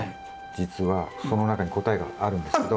じつはその中に答えがあるんですけど。